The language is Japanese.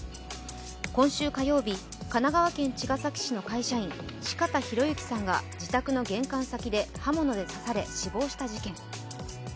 今週火曜日、神奈川県茅ヶ崎市の会社員・四方洋行さんが自宅の玄関先で刃物で刺され死亡した事件。